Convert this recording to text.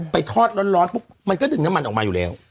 ทอดร้อนปุ๊บมันก็ดึงน้ำมันออกมาอยู่แล้ว